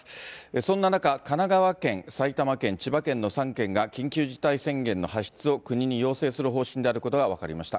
そんな中、神奈川県、埼玉県、千葉県の３県が緊急事態宣言を発出を国に要請する方針であることが分かりました。